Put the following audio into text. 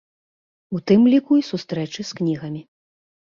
У тым ліку і сустрэчы з кнігамі.